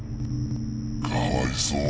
かわいそうだな。